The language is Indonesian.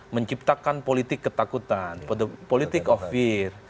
menciptakan politik ketakutan politik of fear